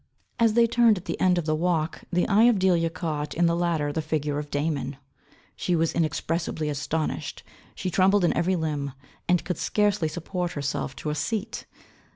As they turned at the end of the walk the eye of Delia caught in the latter the figure of Damon. She was inexpressibly astonished, she trembled in every limb, and could scarcely support herself to a seat.